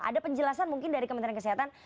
ada penjelasan mungkin dari kementerian kesehatan